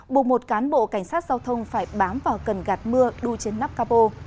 buộc một cán bộ cảnh sát giao thông phải bám vào cần gạt mưa đu trên nắp capo